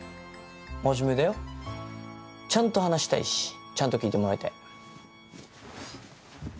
真面目だよちゃんと話したいしちゃんと聞いてもらいたい。